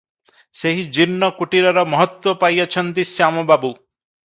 ସେହି ଜୀର୍ଣ୍ଣ କୁଟୀରର ମହତ୍ତ୍ୱ ପାଇ ଅଛନ୍ତି ଶ୍ୟାମ ବାବୁ ।